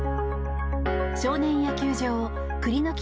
少年野球場栗の樹